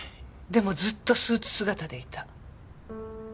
でもずっとスーツ姿でいた。